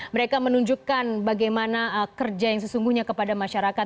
mereka menunjukkan bagaimana kerja yang sesungguhnya kepada masyarakat